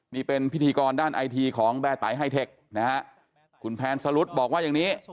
นี่เป็นพิธีกรด้านไอทีของแบร์ไตเทคนะฮะคุณแพนสลุดบอกว่าอย่างนี้